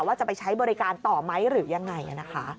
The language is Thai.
ว่าจะไปใช้บริการต่อไหมหรือยังไงนะคะ